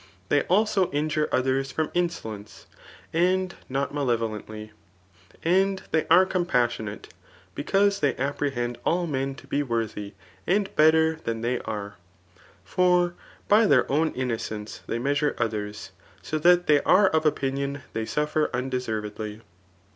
They also injure •Aers from insolence, and not malevolently. And they aie compassionate, because they apprehend all men to be w«athy and better than they are ; for by their own inno* eenee they measure others ; so that they are of opvkm ^wy sufitr undeservedly.